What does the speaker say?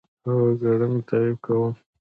هو، ګړندی ټایپ کوم